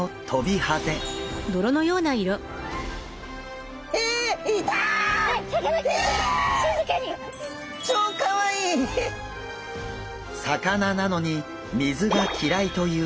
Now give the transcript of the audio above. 魚なのに水が嫌いという変わり者。